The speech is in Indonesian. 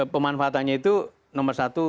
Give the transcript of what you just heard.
pemanfaatannya itu nomor satu